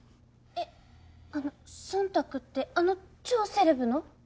えっあのソンタクってあの超セレブの？